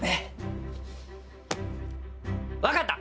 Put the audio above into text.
分かった！